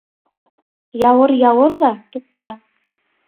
Яуыр, яуыр ҙа туҡтар.